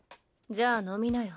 じゃあ飲みなよ。